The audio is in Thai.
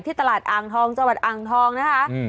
ตลาดอ่างทองจังหวัดอ่างทองนะคะ